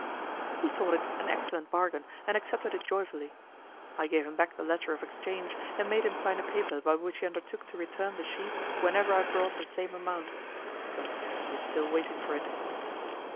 He thought it an excellent bargain, and accepted it joyfully. I gave him back the letter of exchange, and made him sign a paper by which he undertook to return the sheath whenever I brought the same amount, but he is still waiting for it.